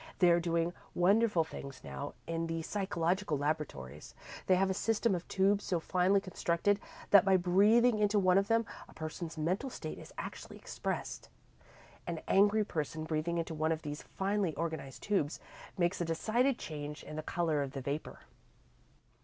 They are doing wonderful things now in the psychological laboratories. They have a system of tubes so finely constructed that by breathing into one of them a person's mental state is actually expressed. An angry person, breathing into one of these finely organised tubes, makes a decided change in the colour of the vapour."